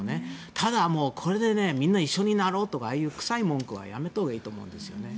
ただ、これでみんな一緒になろうとかああいう臭い文句はやめたほうがいいと思います。